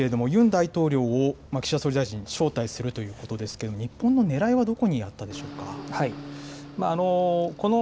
今回、このサミットですけれども、ユン大統領を岸田総理大臣、招待するということですけれども、日本のねらいはどこにあったでし